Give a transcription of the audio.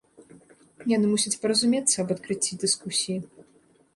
Яны мусяць паразумецца аб адкрыцці дыскусіі.